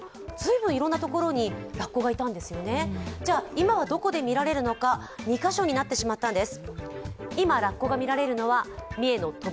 今はどこで見られるのか、２か所になってしまったんです。